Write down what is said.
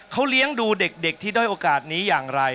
เขาเลี้ยงดูเด็กที่ด้อยโอกาสนี้อย่างไร